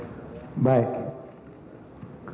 tidak dipastikan atau tidak ditentukan